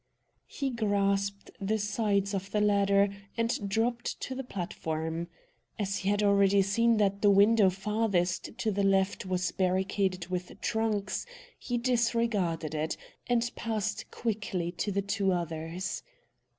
He grasped the sides of the ladder and dropped to the platform. As he had already seen that the window farthest to the left was barricaded with trunks, he disregarded it, and passed quickly to the two others.